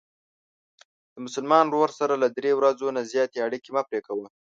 د مسلمان ورور سره له درې ورځو نه زیاتې اړیکې مه پری کوه.